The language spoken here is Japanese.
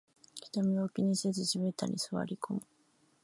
人目を気にせず地べたに座りこむ